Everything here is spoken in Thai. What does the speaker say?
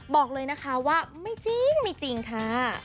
บอกเลยนะคะว่าไม่จริงค่ะ